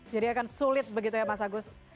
jadi akan sulit begitu ya mas agus